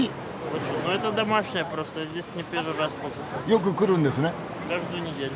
よく来るんですね？